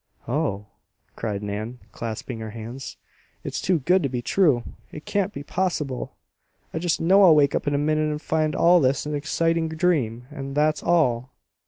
"Oh!" cried Nan, clasping her hands. "It's too good to be true! It can't be possible! I just know I'll wake up in a minute and find all this an exciting dream, and that's all!"